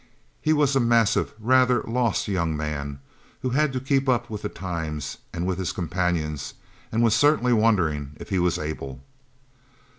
He was a massive, rather lost young man who had to keep up with the times, and with his companions, and was certainly wondering if he was able.